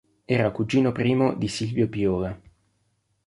Era cugino primo di Silvio Piola.